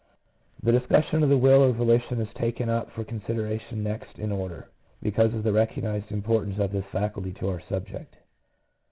The discussion of the will or volition is taken up for consideration next in order, because of the recognized importance of this faculty to our subject.